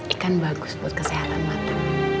ikan bagus buat kesehatan mata